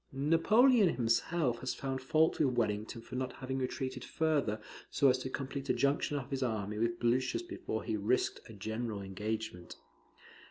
Napoleon himself has found fault with Wellington for not having retreated further, so as to complete a junction of his army with Blucher's before he risked a general engagement.